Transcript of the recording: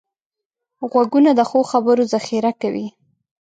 غوږونه د ښو خبرو ذخیره کوي